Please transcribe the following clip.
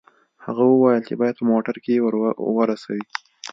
هغه وویل چې باید په موټر کې یې ورسوي